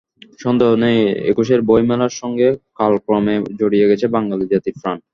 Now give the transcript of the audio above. সন্দেহ নেই একুশের বইমেলার সঙ্গে কালক্রমে জড়িয়ে গেছে বাঙালি জাতির প্রাণ।